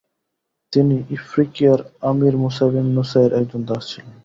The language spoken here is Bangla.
তিনি ইফ্রিকিয়ার আমির মুসা বিন নুসাইরের একজন দাস ছিলেন।